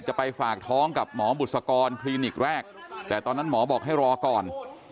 จะไปฝากท้องกับหมอบุษกรคลินิกแรกแต่ตอนนั้นหมอบอกให้รอก่อน